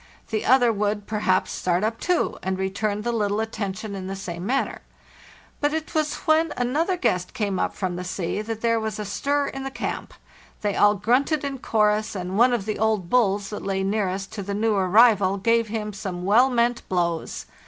The other would, perhaps, start up too, and return the little at tention in the same manner. But it was when an other guest came up from the sea that there was a stir in the camp; they all grunted in chorus, and one of the old bulis that lay nearest to the new arrival gave him some well meant blows.